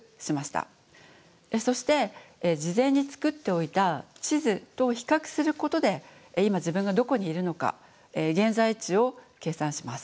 そして事前に作っておいた地図と比較することで今自分がどこにいるのか現在地を計算します。